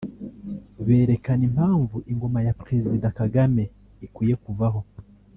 berekana impamvu ingoma ya Président Kagame ikwiye kuvaho